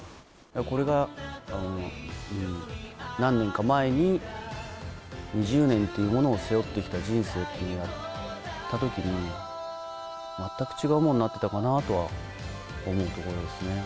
これが何年か前に、２０年というものを背負ってきた人生というものをやったときに、全く違うものになってたかなとは思うところですね。